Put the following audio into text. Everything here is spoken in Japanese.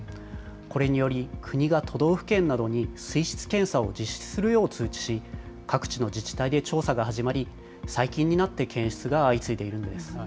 これにより、国が都道府県などに水質検査を実施するよう通知し、各地の自治体で調査が始まり、最近になって検出が相次いでいるんです。